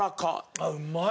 あっうまいこれ。